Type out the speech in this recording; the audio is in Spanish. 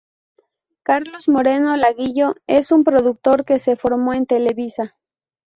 Carlos Moreno Laguillo es un productor que se formó en Televisa.